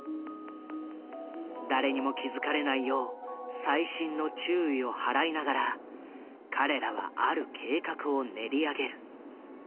誰にも気付かれないよう細心の注意を払いながら彼らはある計画を練り上げる。